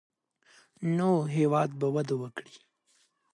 نو هېواد به وده وکړي.